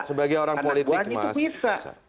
sebagai orang politik mas